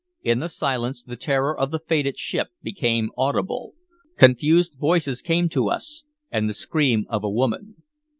In the silence, the terror of the fated ship became audible. Confused voices came to us, and the scream of a woman.